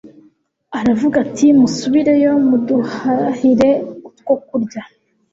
aravuga ati musubireyo muduhahire utwokurya